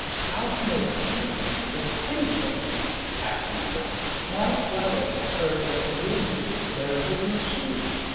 "How can they swim with petticoats on?" asked another. "My brother heard that real men wear wooden shoes!